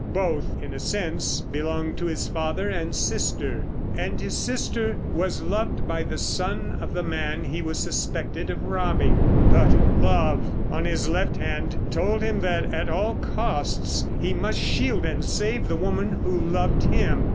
Both, in a sense, belonged to his father and sister. And his sister was loved by the son of the man he was suspected of robbing. But Love, on his left hand, told him that at all costs he must shield and save the woman who loved him.